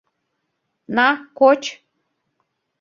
— На, коч!..